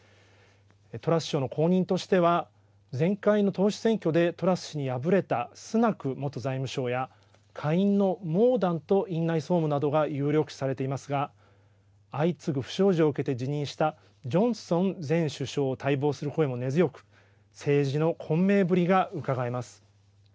トラス首相の後任としては前回の党首選挙でトラス氏に敗れたスナク元財務相や下院のモーダント院内総務などが有力視されていますが相次ぐ不祥事を受けて辞任したジョンソン前首相を待望する声も根強く政治の混迷ぶりがうかがえます。